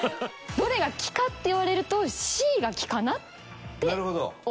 どれが木かって言われるとＣが木かなって思います。